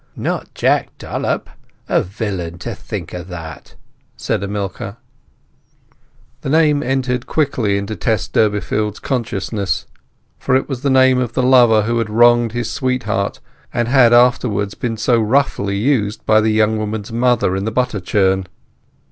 "Not Jack Dollop? A villain—to think o' that!" said a milker. The name entered quickly into Tess Durbeyfield's consciousness, for it was the name of the lover who had wronged his sweetheart, and had afterwards been so roughly used by the young woman's mother in the butter churn.